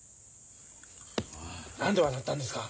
何で笑ったんですか。